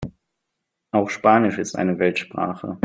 Auch Spanisch ist eine Weltsprache.